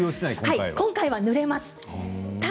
今回は、ぬれます。